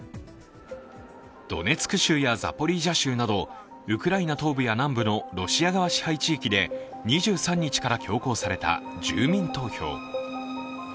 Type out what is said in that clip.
ドネツク州やザポリージャ州などウクライナ東部や南部のロシア側支配地域で２３日から強行された住民投票。